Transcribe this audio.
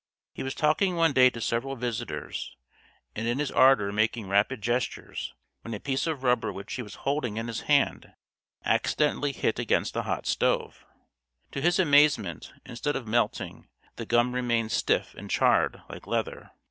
He was talking one day to several visitors, and in his ardor making rapid gestures, when a piece of rubber which he was holding in his hand accidentally hit against a hot stove. To his amazement, instead of melting, the gum remained stiff and charred, like leather.